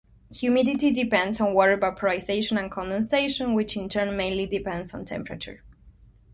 Humidity depends on water vaporization and condensation, which, in turn, mainly depends on temperature.